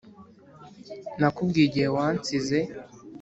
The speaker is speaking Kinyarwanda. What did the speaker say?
nakubwiye igihe wansize